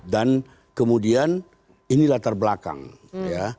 dan kemudian ini latar belakang ya